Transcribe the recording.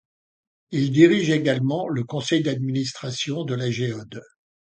Il dirige également le conseil d’administration de la Géode.